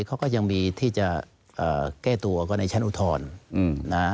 เขาก็ยังมีที่จะแก้ตัวก็ในชั้นอุทธรณ์นะ